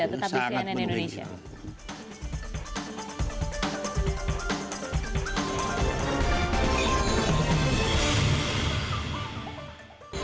tetapi cnn indonesia